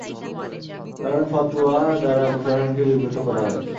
কারণ ফতোয়া দ্বারা প্রশাসনকে বিব্রত করা হয়।